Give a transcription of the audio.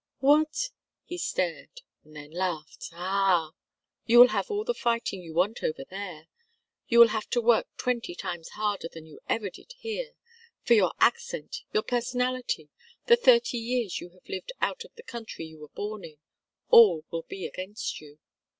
"What?" He stared, and then laughed. "Ah!" "You will have all the fighting you want over there. You will have to work twenty times harder than you ever did here, for your accent, your personality, the thirty years you have lived out of the country you were born in, all will be against you.